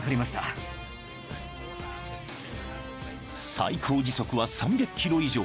［最高時速は３００キロ以上。